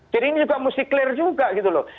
jadi ini juga mesti clear juga gitu loh